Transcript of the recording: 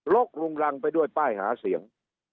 กรุงรังไปด้วยป้ายหาเสียง